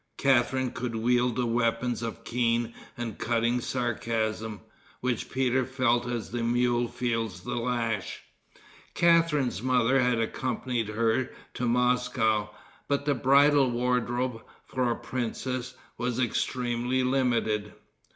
Catharine could wield the weapons of keen and cutting sarcasm, which Peter felt as the mule feels the lash. Catharine's mother had accompanied her to Moscow, but the bridal wardrobe, for a princess, was extremely limited.